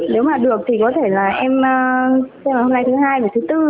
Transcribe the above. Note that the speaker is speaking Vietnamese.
nếu mà được thì có thể là em xem vào hôm nay thứ hai và thứ bốn